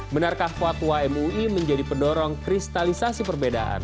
benarkah fatwa mui menjadi pendorong kristalisasi perbedaan